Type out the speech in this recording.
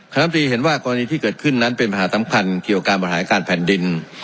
น้ำตรีเห็นว่ากรณีที่เกิดขึ้นนั้นเป็นปัญหาสำคัญเกี่ยวกับการบริหารการแผ่นดิน